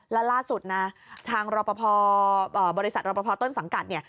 แล้วล่าสุดนะทางรอปภบริษัทรอปภต้นสังกัดเนี่ย